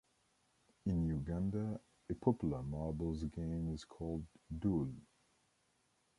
In Uganda, a popular marbles game is called "dool".